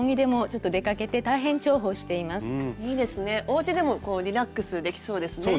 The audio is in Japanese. おうちでもリラックスできそうですね。